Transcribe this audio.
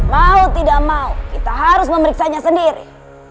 mau tidak mau kita harus memeriksa dia sendiri